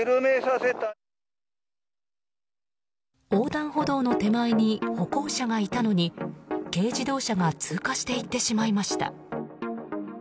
横断歩道の手前に歩行者がいたのに軽自動車が通過していってしまいました。